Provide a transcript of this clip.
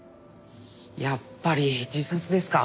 やっぱり自殺ですか？